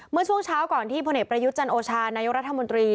เมื่อช่วงเช้าก่อนที่พลเอกประยุทธ์จันโอชานายกรัฐมนตรี